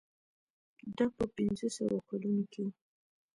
دا په پنځه سوه کلونو کې و.